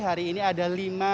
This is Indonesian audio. hari ini ada lima